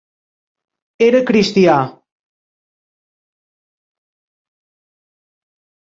Era cristià.